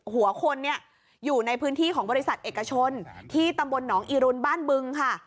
หัวคนเนี่ยอยู่ในพื้นที่ของบริษัทเอกชนที่ตำบลหนองอีรุนบ้านบึงค่ะ